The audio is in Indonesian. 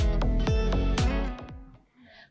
pemerintah memanfaatkan momentum di sisa tahun dua ribu dua puluh